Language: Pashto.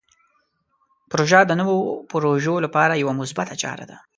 پروژه د نوو پروژو لپاره یوه مثبته چاره ده.